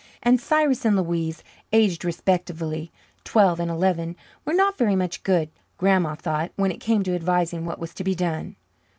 And Cyrus and Louise, aged respectively twelve and eleven, were not very much good, Grandma thought, when it came to advising what was to be done.